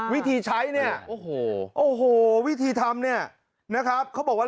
วิธีใช้เนี่ยโอ้โหวิธีทำเนี่ยนะครับเขาบอกว่า